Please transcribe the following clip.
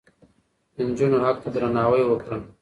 د نجونو حق ته درناوی وکړه.